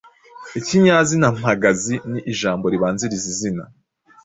Ikinyazina mpamagazi ni ijambo ribanziriza izina,